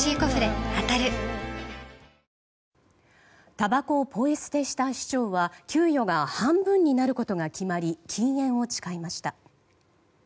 たばこをポイ捨てした市長は給与が半分になることが決まり禁煙を誓いました。